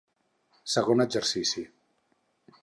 Segon exercici: